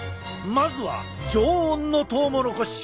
まずは常温のトウモロコシ。